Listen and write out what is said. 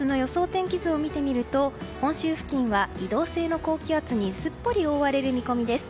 天気図を見てみると本州付近は移動性の高気圧にすっぽり覆われる見込みです。